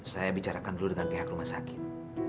saya bicarakan dulu dengan pihak rumah sakit